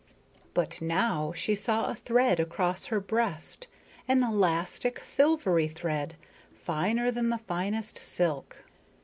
But now she saw a thread across her breast, an elastic silvery thread finer than the finest silk.